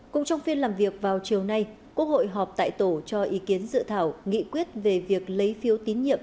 cũng trong phiên làm việc vào chiều nay quốc hội họp tại tổ cho ý kiến dự thảo nghị quyết về việc lấy phiếu tín nhiệm